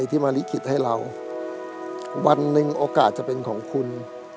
ที่มาลิขิตให้เราวันหนึ่งโอกาสจะเป็นของคุณ